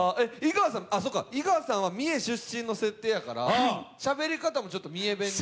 井川さんは三重出身の設定やからしゃべり方もちょっと三重弁に？